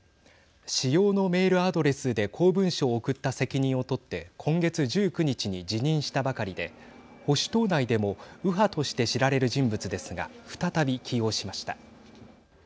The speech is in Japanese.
私用のメールアドレスで公文書を送った責任を取って今月１９日に辞任したばかりで保守党内でも右派として知られる人物ですが再び起用しました。